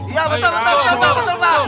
iya betul betul sampai betul pak